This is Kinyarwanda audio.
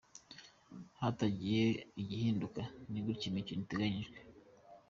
Hatagize igihinduka, ni gutyo imikino iteganyijwe .